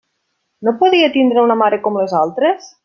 No podia tindre una mare com les altres?